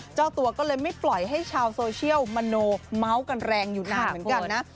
เจ้าตัวก็เลยไม่ปล่อยให้ชาวโซเชียลมโนเมาส์กันแรงอยู่นานเหมือนกันนะ